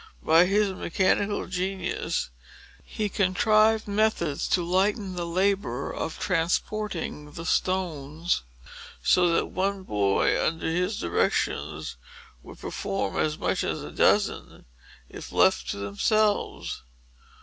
By his mechanical genius, he contrived methods to lighten the labor of transporting the stones; so that one boy, under his directions, would perform as much as half a dozen, if left to themselves.